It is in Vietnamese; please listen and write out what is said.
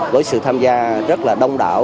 với sự tham gia rất là đông đảo